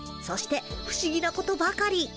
そして不思議なことばかり。